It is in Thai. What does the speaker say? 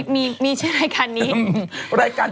มีชื่อรายการนี้